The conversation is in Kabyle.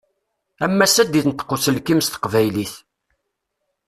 Am wassa ad d-inṭeq uselkim s teqbaylit.